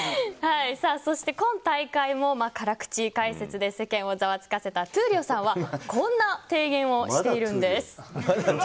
そして今大会も辛口解説で世間をざわつかせた闘莉王さんはこんな提言をしているんです。